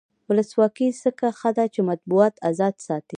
ولسواکي ځکه ښه ده چې مطبوعات ازاد ساتي.